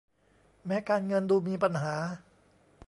แม้การเงินดูมีปัญหา